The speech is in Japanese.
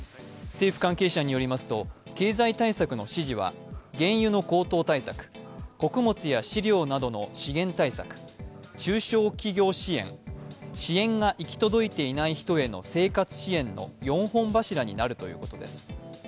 政府関係者によりますと経済対策の指示は、原油の高騰対策、穀物や飼料などの資源対策、中小企業支援、支援が行き届いていない人への生活支援の４本柱になるということです。